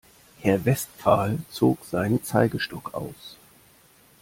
Herr Westphal zog seinen Zeigestock aus.